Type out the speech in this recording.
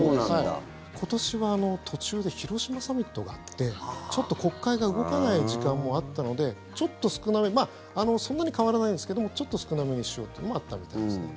今年は途中で広島サミットがあってちょっと国会が動かない時間もあったので、ちょっと少なめまあ、そんなに変わらないんですけどもちょっと少なめにしようというのもあったみたいですね。